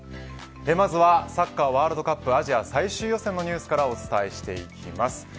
まずはサッカーワールドカップアジア最終予選のニュースからお伝えしていきます。